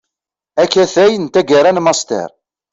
Akatay n taggara n Master.